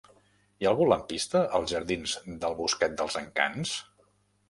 Hi ha algun lampista als jardins del Bosquet dels Encants?